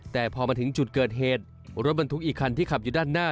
แต่พอมาถึงจุดเกิดเหตุรถบรรทุกอีกคันที่ขับอยู่ด้านหน้า